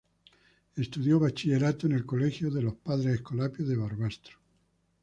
Estudió el bachillerato en el colegio de los Padres Escolapios de Barbastro.